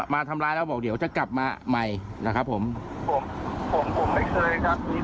มาทำร้ายแล้วบอกเดี๋ยวจะกลับมาใหม่นะครับผมผมไม่เคยครับ